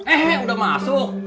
eh udah masuk